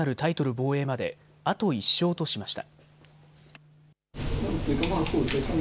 防衛まであと１勝としました。